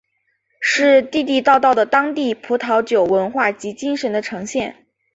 是地地道道的当地葡萄酒文化及精神的呈现。